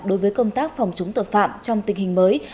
đối với công tác phòng chống tội phạm trong tình hình mới